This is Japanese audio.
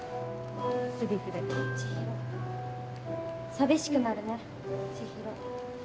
「寂しくなるね千尋！